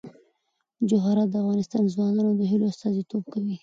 جواهرات د افغان ځوانانو د هیلو استازیتوب کوي.